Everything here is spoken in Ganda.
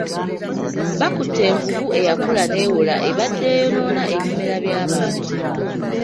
Bakutte envubu eyakula newola ebadde eyonoona ebimera by'abantu.